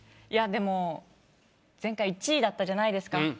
でも前回１位だったじゃないですか